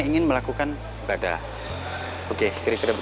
ini kurang dua rewang